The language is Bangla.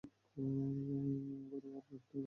অপেক্ষা করো আর বের হতে দাও।